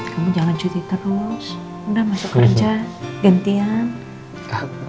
kamu jangan cuti terus kemudian masuk kerja gantian